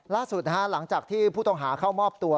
ล่าสุดหลังจากที่ผู้ต้องหาเข้ามอบตัว